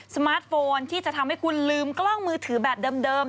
มาร์ทโฟนที่จะทำให้คุณลืมกล้องมือถือแบบเดิม